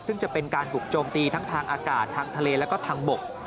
ซึ่งจะเป็นการบุกโจมตีทั้งทางอากาศทางทะเลแล้วก็ทางบก